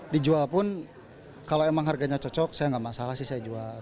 dijual pun kalau emang harganya cocok saya nggak masalah sih saya jual